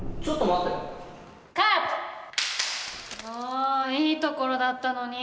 もういいところだったのに。